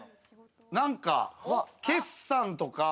なんか決算とか。